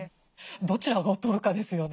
どちらを取るかですよね。